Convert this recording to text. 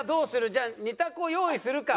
じゃあ２択を用意するか。